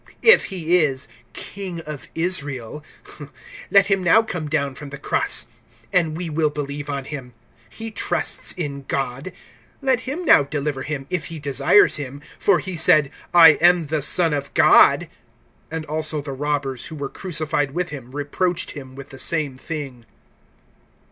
If he is King of Israel, let him now come down from the cross, and we will believe on him. (43)He trusts in God; let him now deliver him, if he desires him; for he said I am the Son of God. (44)And also the robbers, who were crucified with him, reproached him with the same thing.